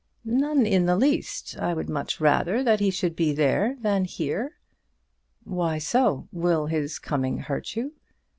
"None in the least. I would much rather that he should be there than here." "Why so? Will his coming hurt you?"